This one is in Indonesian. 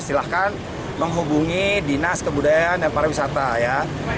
silahkan menghubungi dinas kebudayaan dan para wisata ya